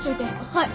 はい。